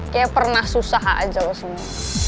kayak pernah susah aja loh semua